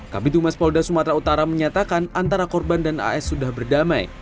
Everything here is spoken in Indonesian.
kabit humas polda sumatera utara menyatakan antara korban dan as sudah berdamai